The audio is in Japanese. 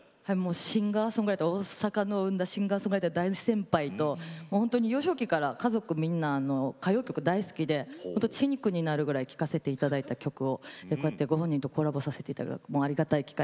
シンガーソングライター大阪の生んだシンガーソングライター大先輩とほんとに幼少期から家族みんな歌謡曲大好きで血肉になるぐらい聴かせて頂いた曲をこうやってご本人とコラボさせて頂くありがたい機会。